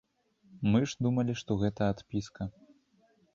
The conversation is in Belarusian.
Мы ж думалі, што гэта адпіска.